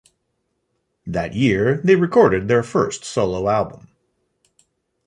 That year, they recorded their first solo album.